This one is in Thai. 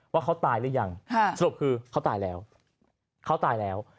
ว่าเขาตายหรือยังสรุปคือเขาตายแล้ว